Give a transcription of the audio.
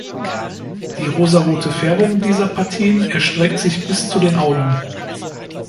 Die rosarote Färbung dieser Partien erstreckt sich bis zu den Augen.